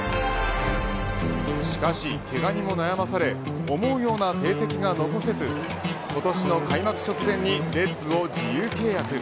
しかし、けがにも悩まされ思うような成績が残せず今年の開幕直前にレッズを自由契約。